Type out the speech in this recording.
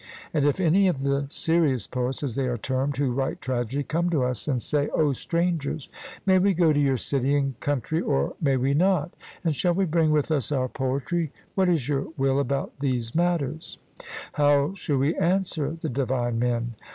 And, if any of the serious poets, as they are termed, who write tragedy, come to us and say 'O strangers, may we go to your city and country or may we not, and shall we bring with us our poetry what is your will about these matters?' how shall we answer the divine men?